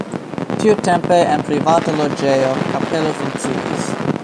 Tiutempe en privata loĝejo kapelo funkciis.